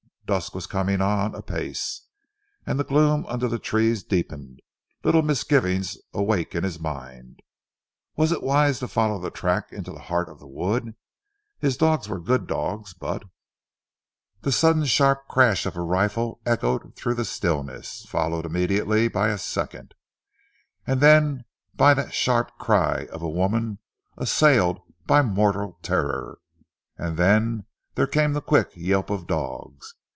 Dusk was coming on apace, and the gloom under the trees deepened, little misgivings awake in his mind. Was it wise to follow the track into the heart of the wood? His dogs were good dogs, but The sudden sharp crash of a rifle echoed through the stillness, followed immediately by a second, and that by the sharp cry of a woman assailed by mortal terror, and then there came the quick yelp of dogs.